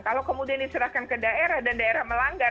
kalau kemudian diserahkan ke daerah dan daerah melanggar